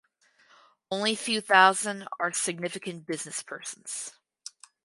Only few thousand are significant businesspersons.